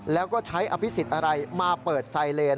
แล้วก็ใช้อภิษฎอะไรมาเปิดไซเลน